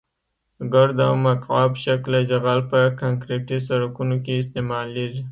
ګرد او مکعب شکله جغل په کانکریټي سرکونو کې استعمالیږي